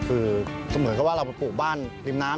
คือเหมือนกับว่าเราไปปลูกบ้านริมน้ำ